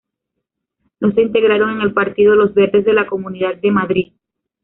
No se integraron en el partido Los Verdes de la Comunidad de Madrid.